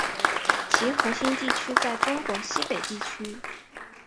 其核心地区在中国西北地区。